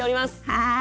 はい。